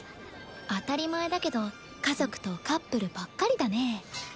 当たり前だけど家族とカップルばっかりだね。